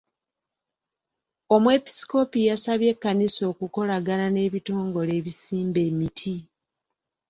Omwepisikoopi yasabye ekkanisa okukolagana n'ebitongole ebisimba emiti.